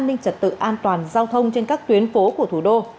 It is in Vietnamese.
an ninh trật tự an toàn giao thông trên các tuyến phố của thủ đô